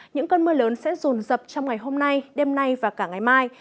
những cơn mưa lớn sẽ rồn rập trong ngày hôm nay đêm nay và cả ngày mai